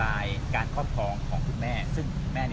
ไม่ใช่นี่คือบ้านของคนที่เคยดื่มอยู่หรือเปล่า